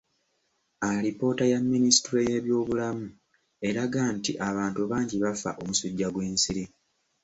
Alipoota ya minisitule y'ebyobulamu eraga nti abantu bangi bafa omusujja gw'ensiri.